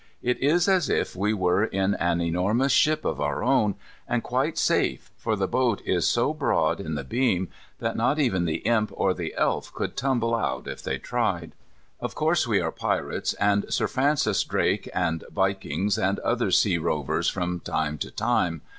It is as if we were in an enormous ship of our own, and quite safe, for the boat is so broad in the beam that not even the Imp or the Elf could tumble out if they tried. Of course we are pirates, and Sir Francis Drakes, and vikings, and other sea rovers, from time to time.